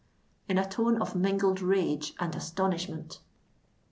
in a tone of mingled rage and astonishment.